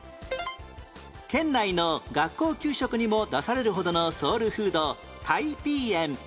県内の学校給食にも出されるほどのソウルフード太平燕